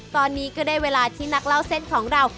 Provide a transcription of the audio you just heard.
ตอนนี้ก็ได้เวลาที่นักเล่าเส้นของเรา